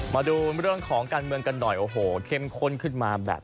มาดูเรื่องของการเมืองกันหน่อยโอ้โหเข้มข้นขึ้นมาแบบ